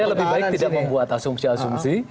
saya lebih baik tidak membuat asumsi asumsi